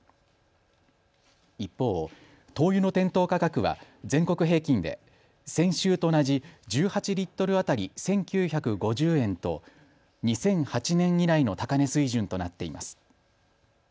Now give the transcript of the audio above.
一方、灯油の店頭価格は全国平均で先週と同じ１８リットル当たり１９５０円と２００８年以来の高値水準となっています。